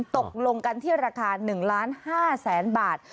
ตกลงกันที่ราคา๑๕๐๐๐๐บาท